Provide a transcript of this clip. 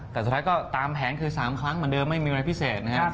แต่สุดท้ายก็ตามแผนคือ๓ครั้งเหมือนเดิมไม่มีอะไรพิเศษนะครับ